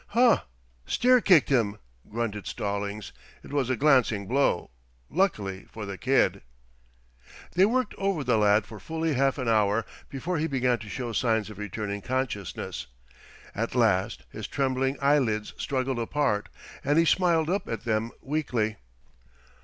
"Huh! Steer kicked him," grunted Stallings. "It was a glancing blow, luckily for the kid." They worked over the lad for fully half an hour before he began to show signs of returning consciousness. At last his trembling eyelids struggled apart and he smiled up at them weakly.